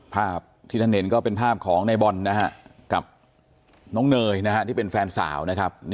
ภาพที่ท่านเห็นก็เป็นภาพของในบอลนะฮะกับน้องเนยนะฮะที่เป็นแฟนสาวนะครับ